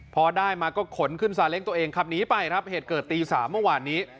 พอได้มาก็ขนขึ้นซาเล้งตัวเองขับหนีไปครับเหตุเกิดตี๓เมื่อวานนี้